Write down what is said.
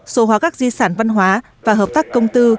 số hóa các di sản văn hóa và hợp tác công tư